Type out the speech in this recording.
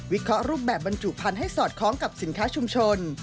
เคราะห์รูปแบบบรรจุพันธุ์ให้สอดคล้องกับสินค้าชุมชน